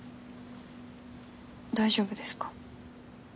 大丈夫ですか？